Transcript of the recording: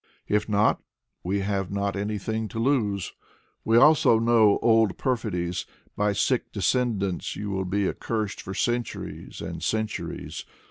If not, we have not anything to lose. We also know old perfidies. By sick descendants you will be Accursed for centuries and centuries.